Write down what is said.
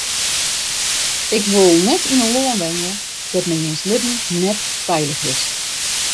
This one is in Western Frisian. Ik wol net yn in lân wenje dêr't men jins libben net feilich is.